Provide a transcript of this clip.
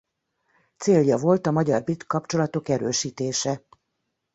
Célja volt a magyar-brit kapcsolatok erősítése.